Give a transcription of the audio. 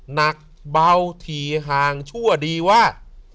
หนักเบาถี่ห่างชั่วดีว่า